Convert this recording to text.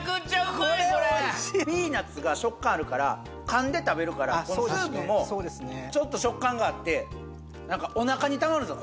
これ・これおいしいピーナッツが食感あるからかんで食べるからスープもちょっと食感があっておなかにたまるんですよ